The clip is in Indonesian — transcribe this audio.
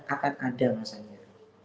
akan ada masanya